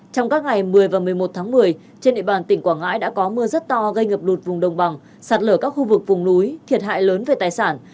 trong các ngày một mươi và một mươi một tháng một mươi trên địa bàn tỉnh quảng ngãi đã có mưa rất to gây ngập lụt vùng đồng bằng sạt lở các khu vực vùng núi thiệt hại lớn về tài sản